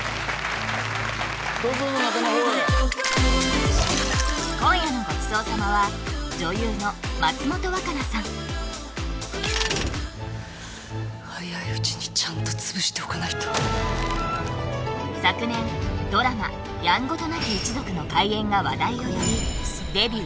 どうぞ中の方へ今夜のごちそう様は早いうちにちゃんと潰しておかないと昨年ドラマ「やんごとなき一族」の怪演が話題を呼びデビュー